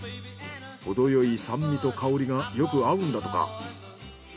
ほどよい酸味と香りがよく合うんだとか。